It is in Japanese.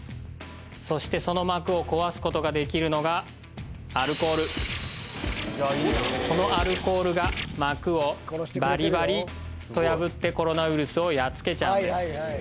そしてその膜を壊すことができるのがアルコールこのアルコールが膜をバリバリッと破ってコロナウイルスをやっつけちゃうんです